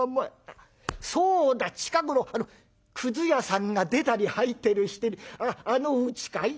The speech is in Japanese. そうだ近頃屑屋さんが出たり入ったりしてるあのうちかい？